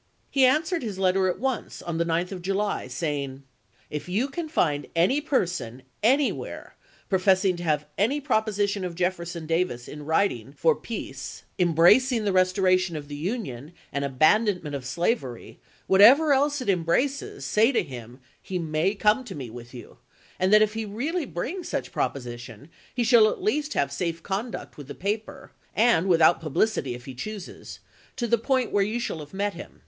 He answered his letter at once, on the 9th of July, saying :" If you can find any person, any where, professing to have any proposition of Jefferson Davis in writing, for peace, embracing 188 ABRAHAM LINCOLN chap.viit. the restoration of the Union, and abandonment of slavery, whatever else it embraces, say to him he may come to me with you, and that if he really brings such proposition he shall at the least have safe conduct with the paper (and without pub licity, if he chooses) to the point where you shall LG°eeley,0 have met him.